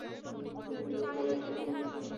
তোমার গায়ে লাল খুব মানাচ্ছে।